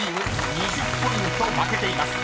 ２０ポイント負けています］